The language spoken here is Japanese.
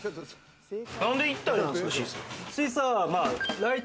何で一体なんですか？